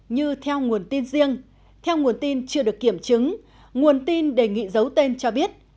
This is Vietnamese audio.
như theo nguồn tin riêng theo nguồn tin chưa được kiểm chứng nguồn tin đề nghị giấu tên cho biết